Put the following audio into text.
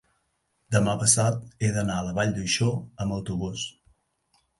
Demà passat he d'anar a la Vall d'Uixó amb autobús.